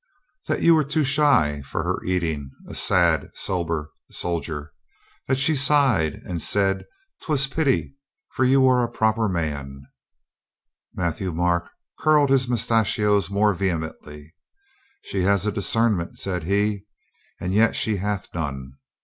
"That you were too shy for her eating, a sad, COLONEL STOW RESOLVES TO LAUGH 261 sober soldier. Then she sighed and said 'twas pity, for you were a proper man." Matthieu Marc curled his moustachios more ve hemently. "She has a discernment," said he. "And yet she hath none.